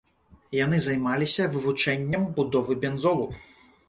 Яны займаліся вывучэннем будовы бензолу.